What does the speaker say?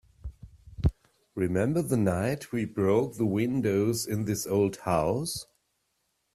Remember the night we broke the windows in this old house?